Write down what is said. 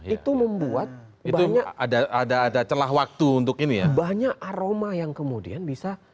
itu membuat banyak aroma yang kemudian bisa